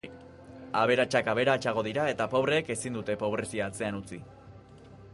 Aberatsak aberatsago dira, eta pobreek ezin dute pobrezia atzean utzi.